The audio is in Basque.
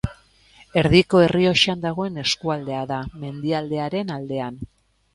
Erdiko Errioxan dagoen eskualdea da, mendialdearen aldean.